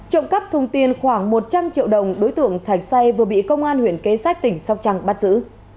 trộm cắp thùng tiền khoảng một trăm linh triệu đồng đối tượng thạch say vừa bị công an huyện kê sách tỉnh sóc trăng bắt giữ